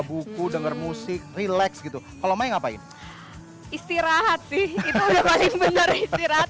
buku denger musik relax gitu kalau main ngapain istirahat sih kita udah main bener istirahat